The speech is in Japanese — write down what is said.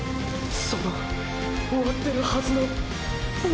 その終わってるはずのボロ